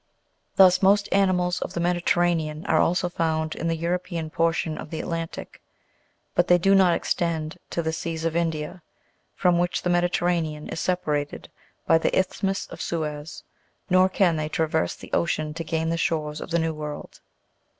Thus most animals of the Medi terranean are also found in the European portion of the Atlantic, but they do not extend to the seas of India, from which the Medi terranean is separated by the isthmus of Suez, nor can they traverse the ocean to gain the shores of the New World.